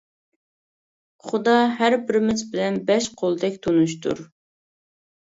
خۇدا ھەر بىرىمىز بىلەن بەش قولدەك تونۇشتۇر.